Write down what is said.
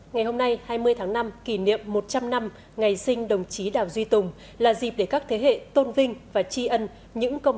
ngày hôm nay hai mươi tháng năm kỷ niệm một trăm linh năm ngày sinh đồng chí đảo duy tùng là dịp để các thế hệ tôn vinh và tri ân những công